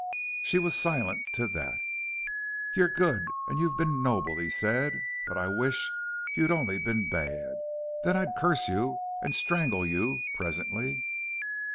She was silent to that. "You're good and you've been noble," he said. "But I wish you'd only been bad. Then I'd curse you and strangle you presently."